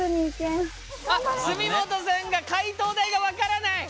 炭本さんが解答台が分からない。